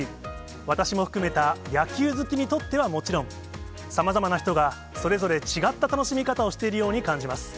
私も含めた、野球好きにとってはもちろん、様々な人が、それぞれ違った楽しみ方をしているように感じます。